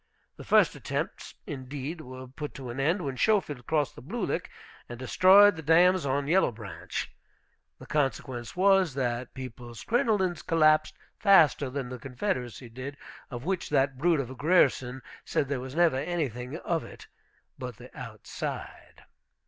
The first attempts, indeed, were put to an end, when Schofield crossed the Blue Lick, and destroyed the dams on Yellow Branch. The consequence was, that people's crinolines collapsed faster than the Confederacy did, of which that brute of a Grierson said there was never anything of it but the outside.